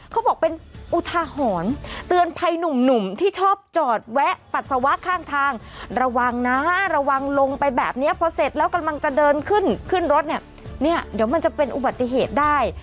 เขาบอกเป็นอุทาหรณ์เตือนภัยหนุ่มที่ชอบจอดแวะปัสสาวะข้างทางระวังนะระวังลงไปแบบนี้พอเสร็จแล้วกำลังจะเดินขึ้นขึ้นรถเนี่ยเนี่ยเดี๋ยวมันจะเป็นอุบัติเหตุได้